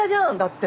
って。